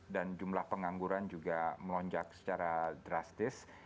dan jumlah pengangguran juga melonjak secara drastis